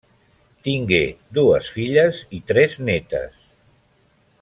Tingué dues filles i tres nétes.